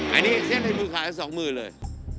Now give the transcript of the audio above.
อันนี้เส้นในมือขาดละ๒นิ้วเลย